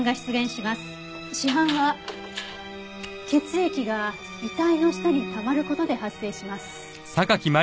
死斑は血液が遺体の下にたまる事で発生します。